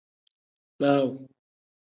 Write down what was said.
Laaw.